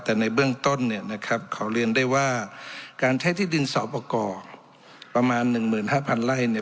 แต่ในเบื้องต้นเนี่ยนะครับขอเรียนได้ว่าการใช้ที่ดินสอบประกอบประมาณ๑๕๐๐ไร่เนี่ย